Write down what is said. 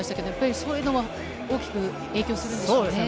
そういうのは大きく影響するんですね。